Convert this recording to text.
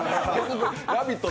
「ラヴィット！」